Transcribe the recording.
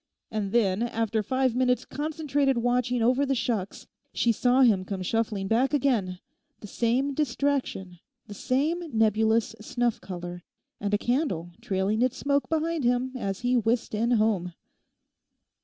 And then, after five minutes' concentrated watching over the shucks, she saw him come shuffling back again—the same distraction, the same nebulous snuff colour, and a candle trailing its smoke behind him as he whisked in home.